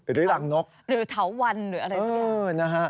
หรือหลังนกหรือเถาวัน